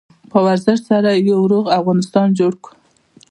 په ورزش سره یو روغ افغانستان جوړ کړو.